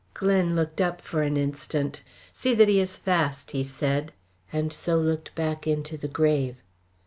Glen looked up for an instant. "See that he is fast!" he said, and so looked back into the grave.